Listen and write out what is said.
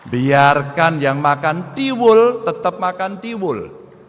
biarkan yang makan tiwul tetap makan tiwul